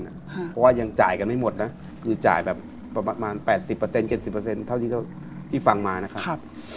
เพราะว่ายังจ่ายกันไม่หมดนะคือจ่ายแบบประมาณ๘๐๗๐เท่าที่ฟังมานะครับ